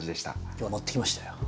今日は持ってきましたよ。